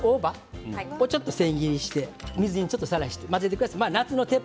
あとは、大葉を千切りにして水にさらして混ぜてください。